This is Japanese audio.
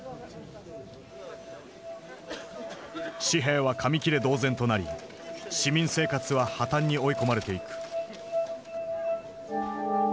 紙幣は紙切れ同然となり市民生活は破綻に追い込まれていく。